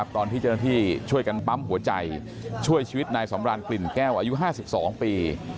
ตอนที่เจ้าหน้าที่ช่วยกันปั๊มหัวใจช่วยชีวิตนายสำรานกลิ่นแก้วอายุ๕๒ปี